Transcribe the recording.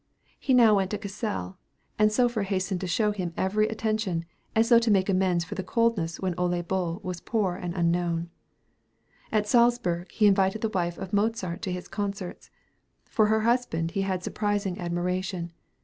He now went to Cassell, and Spohr hastened to show him every attention, as though to make amends for the coldness when Ole Bull was poor and unknown. At Salzburg he invited the wife of Mozart to his concerts. For her husband he had surpassing admiration.